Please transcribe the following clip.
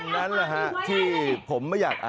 แม่ทำไมแม่เลวขนาดนี้คะ